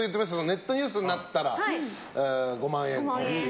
ネットニュースになったら５万円という。